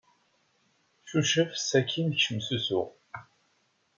Cucef sakin kcem s usu.